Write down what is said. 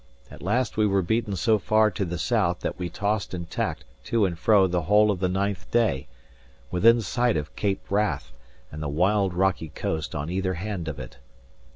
At last we were beaten so far to the south that we tossed and tacked to and fro the whole of the ninth day, within sight of Cape Wrath and the wild, rocky coast on either hand of it.